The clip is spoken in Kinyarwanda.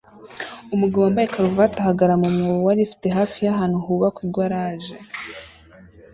Umugabo wambaye karuvati ahagarara mu mwobo wa lift hafi y’ahantu hubakwa igaraje